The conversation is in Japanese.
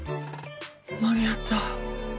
間に合った。